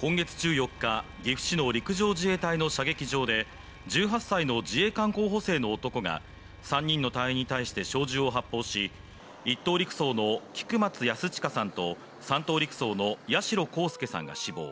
今月１４日、岐阜市の陸上自衛隊の射撃場で１８歳の自衛官候補生の男が３人の隊員に対して小銃を発砲し、一等陸曹の菊松安親さんと３等陸曹の八代航佑さんが死亡。